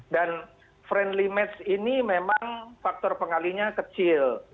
dan friendly match ini memang faktor pengalinya kecil